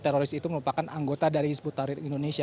teroris itu merupakan anggota dari hizbut tahrir indonesia